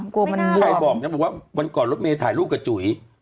ใครบอกว่าวันก่อนรถเมย์ถ่ายรูปกับจุ๋ย